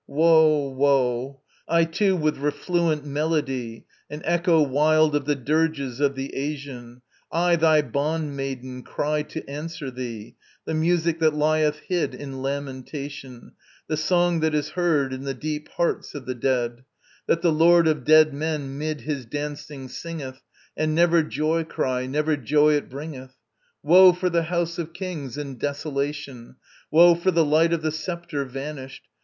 Woe; woe: I too with refluent melody, An echo wild of the dirges of the Asian, I, thy bond maiden, cry to answer thee: The music that lieth hid in lamentation, The song that is heard in the deep hearts of the dead, That the Lord of dead men 'mid his dancing singeth, And never joy cry, never joy it bringeth; Woe for the house of Kings in desolation, Woe for the light of the sceptre vanished.